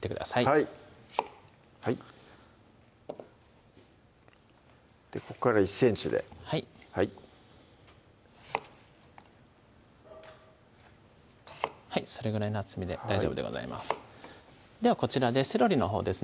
はいここから１ｃｍではいそれぐらいの厚みで大丈夫でございますではこちらでセロリのほうですね